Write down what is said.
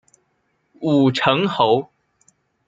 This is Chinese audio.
武城侯。